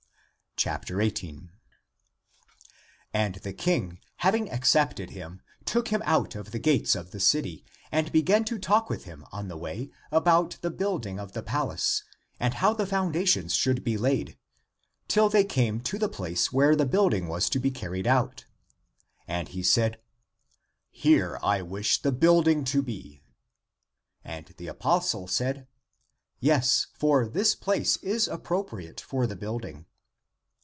18. And the King having accepted him, took him out of the gates of the city, and began to talk with him on the way about the building of the palace, and how the foundations should be laid, till they came to the place where the building was to be carried out. And he said, " Here I w^ish the building to be !" And the apostle said, " Yes, for this place is appropriate for the building."